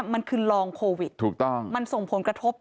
มันคือลองโควิดมันส่งผลกระทบ